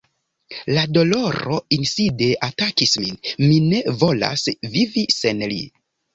La doloro inside atakis min: mi ne volas vivi sen li.